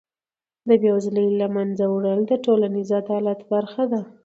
د بېوزلۍ له منځه وړل د ټولنیز عدالت برخه ده.